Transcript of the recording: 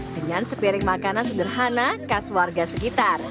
dengan se piring makanan sederhana khas warga sekitar